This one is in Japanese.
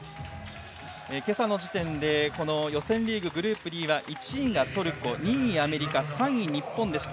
今朝の時点で予選リーググループＢは１位がトルコ、２位アメリカ３位が日本でした。